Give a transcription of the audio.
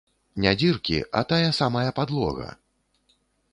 Не дзіркі, а тая самая падлога!